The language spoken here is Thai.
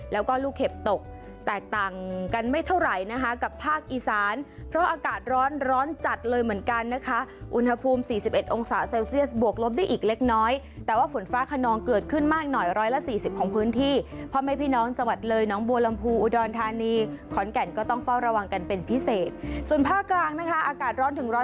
แล้วก็ลูกเห็บตกแตกต่างกันไม่เท่าไหร่นะคะกับภาคอีสานเพราะอากาศร้อนร้อนจัดเลยเหมือนกันนะคะอุณหภูมิสี่สิบเอ็ดองศาเซลเซียสบวกลบได้อีกเล็กน้อยแต่ว่าฝนฟ้าขนองเกิดขึ้นมากหน่อย๑๔๐ของพื้นที่เพราะไม่พี่น้องจังหวัดเลยน้องบัวลำพูอุดรธานีขอนแก่นก็ต้องเฝ้าระวังกันเป็นพิเศษส่วนภาคกลางนะคะอากาศร้อนถึงร้อ